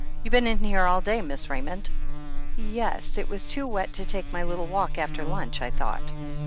"You been in here all day. Miss Raymond ?" "Yes. It was too wet to take my little walk after limch, I thought."